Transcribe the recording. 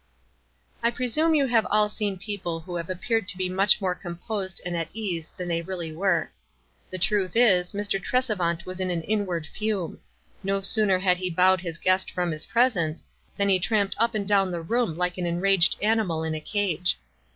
I presume you have all seen people who ap peared to be much more composed and at ease than they really were. The truth is, Mr. Tres evant was in an inward fume. No sooner had he bowed his guest from his presence, than he tramped up and down the room like an enraged animal in a cage.